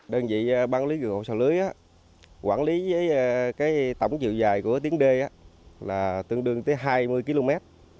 đơn vị băng lý gửi hộ sạt lưới quản lý với tổng chiều dài của tiếng đê là tương đương tới hai mươi km